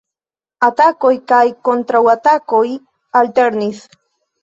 Atakoj kaj kontraŭatakoj alternis.